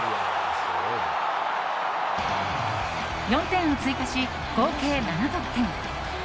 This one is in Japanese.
４点を追加し、合計７得点。